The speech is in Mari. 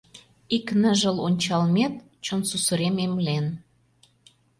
Ик ныжыл ончалмет чон сусырем эмлен.